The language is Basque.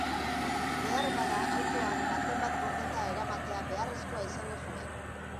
Beharbada autoan baten bat gordeta eramatea beharrezkoa izango zuen.